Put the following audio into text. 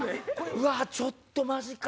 うわちょっとマジか。